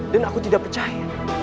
dan aku tidak percaya